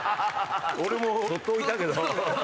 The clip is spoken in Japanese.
俺もそっと置いたけど。